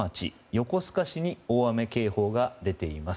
横須賀市に大雨警報が出ています。